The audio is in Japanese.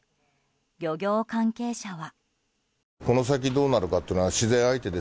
漁業関係者は。